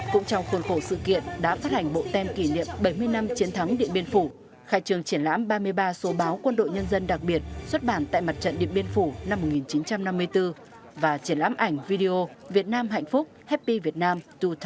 cũng trong khuôn khổ sự kiện đã phát hành bộ tem kỷ niệm bảy mươi năm chiến thắng điện biên phủ khai trường triển lãm ba mươi ba số báo quân đội nhân dân đặc biệt xuất bản tại mặt trận điện biên phủ năm một nghìn chín trăm năm mươi bốn và triển lãm ảnh video việt nam hạnh phúc happy việt nam hai nghìn hai mươi bốn